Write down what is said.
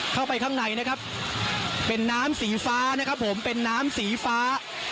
เข้าไปข้างในนะครับเป็นน้ำสีฟ้านะครับผมเป็นน้ำสีฟ้า